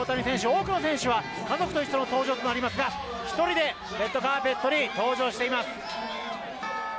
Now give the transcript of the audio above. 多くの選手は家族と一緒の登場となりますが１人でレッドカーペットに登場しています。